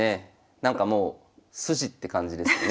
なんかもう筋って感じですよね